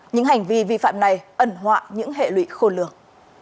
những hành vi vi phạm này ẩn họa những hệ lụy khôn lường